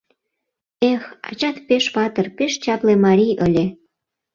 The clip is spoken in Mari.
Эх, ачат пеш патыр, пеш чапле марий ыле.